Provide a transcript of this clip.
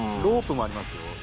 ロープもありますよ。